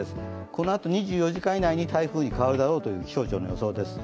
このあと２４時間以内に台風に変わるだろうという気象庁の予想です。